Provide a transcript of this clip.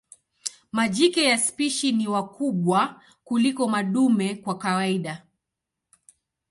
Majike ya spishi ni wakubwa kuliko madume kwa kawaida.